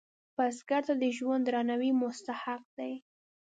بزګر ته د ژوند د درناوي مستحق دی